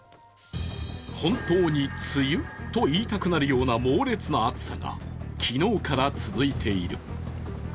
本当に梅雨？と言いたくなるような猛烈な暑さが昨日から続いている。